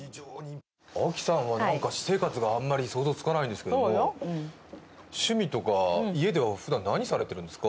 あきさんは私生活が想像つかないんですけど、趣味とか、家では、ふだん何されてるんですか？